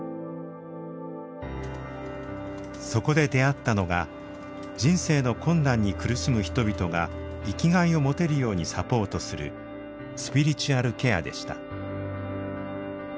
そこで出会ったのが人生の困難に苦しむ人々が生きがいを持てるようにサポートするスピリチュアルケアでした。